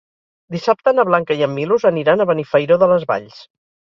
Dissabte na Blanca i en Milos aniran a Benifairó de les Valls.